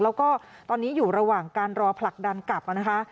แล้วก็ตอนนี้อยู่ระหว่างการรอผลักดันกลับนะคะ